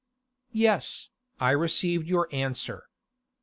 'Yes, I received your answer.